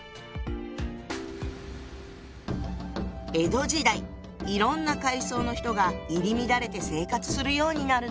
江戸時代いろんな階層の人が入り乱れて生活するようになるの。